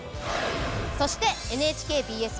そしてＮＨＫＢＳ